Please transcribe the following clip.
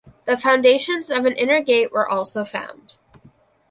The foundations of an inner gate were also found.